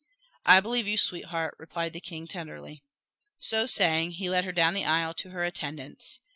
"I believe you, sweetheart," replied the king tenderly. So saying, he led her down the aisle to her attendants.